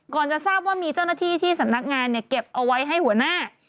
จะทราบว่ามีเจ้าหน้าที่ที่สำนักงานเนี่ยเก็บเอาไว้ให้หัวหน้า